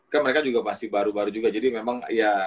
kan mereka juga pasti baru baru juga jadi memang ya